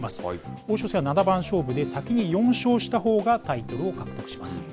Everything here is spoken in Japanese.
王将戦は七番勝負で、先に４勝したほうがタイトルを獲得します。